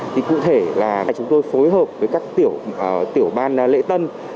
thì cụ thể là chúng tôi phối hợp với các tiểu ban lễ tân